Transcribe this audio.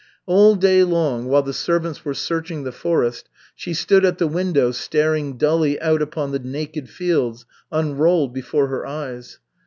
All day long, while the servants were searching the forest, she stood at the window staring dully out upon the naked fields unrolled before her eyes.